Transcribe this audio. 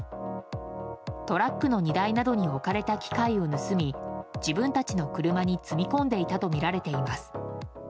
トラックの荷台などに置かれた機械を盗み自分たちの車に積み込んでいたとみられています。